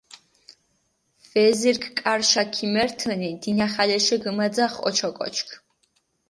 ვეზირქ კარიშა ქიმერთჷნი, დინახალეშე გჷმაძახჷ ოჩოკოჩქ.